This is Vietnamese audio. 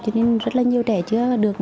cho nên rất nhiều trẻ chưa được học